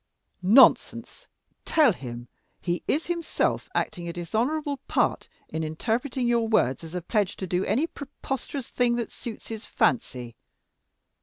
"Nonsense! Tell him he is himself acting a dishonorable part in interpreting your words as a pledge to do any preposterous thing that suits his fancy.